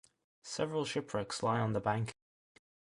Several shipwrecks lie on the bank.